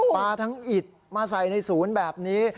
ทั้งอิดมาใส่ในศูนย์แบบนี้